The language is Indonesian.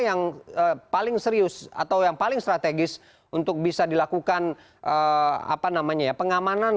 yang paling serius atau yang paling strategis untuk bisa dilakukan pengamanan